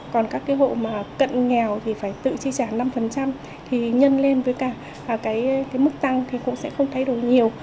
còn các hộ cận nghèo thì phải tự chi trả năm thì nhân lên với mức tăng thì cũng sẽ không thay đổi nhiều